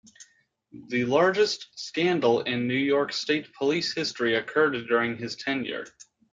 The largest scandal in New York State Police history occurred during his tenure.